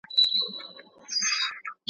آس د ژوند لپاره نوې هیله پیدا کړه.